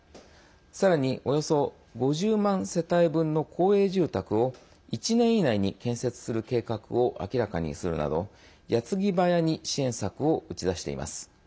さらに、およそ５０万世帯分の公営住宅を１年以内に建設する計画を明らかにするなどやつぎばやに支援策を打ち出しています。